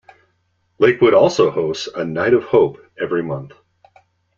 Lakewood also hosts a Night of Hope every month.